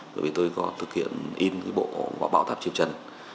bởi vì tôi có thực hiện in bộ bảo tác triều trần